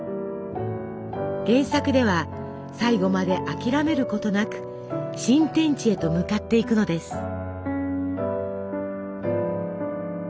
原作では最後まで諦めることなく新天地へと向かっていくのです。